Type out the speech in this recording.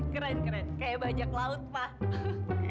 keren keren kayak bajak laut pak